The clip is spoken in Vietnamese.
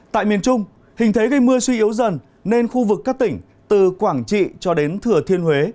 tại miền trung hình thế gây mưa suy yếu dần nên khu vực các tỉnh từ quảng trị cho đến thừa thiên huế